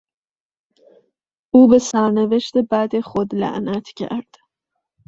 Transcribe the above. او به سرنوشت بد خود لعنت کرد.